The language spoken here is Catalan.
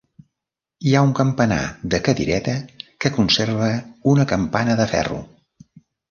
Hi ha un campanar de cadireta que conserva una campana de ferro.